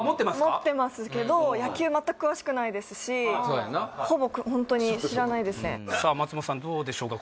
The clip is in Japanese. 持ってますけど野球全く詳しくないですしそうやなほぼホントに知らないですねさあ松本さんどうでしょうか？